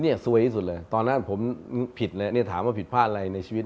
ซวยที่สุดเลยตอนนั้นผมผิดเลยเนี่ยถามว่าผิดพลาดอะไรในชีวิต